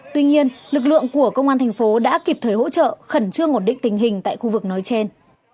tuy nhiên lực lượng của công an thành phố đã kịp thời hỗ trợ khẩn trương ổn định tình hình tại khu vực nói trên